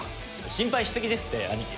心配し過ぎですって兄貴。